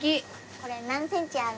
これ何センチある。